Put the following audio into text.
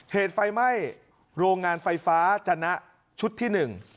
เหตุไฟไหม้โรงงานไฟฟ้าจนะชุดที่หนึ่ง